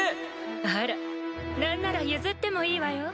あら何なら譲ってもいいわよ？